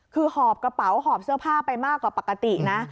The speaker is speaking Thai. คือหอบกระเป๋าหอบเสื้อผ้าไปมากกว่าปกตินะ